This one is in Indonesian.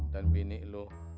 dan bini lo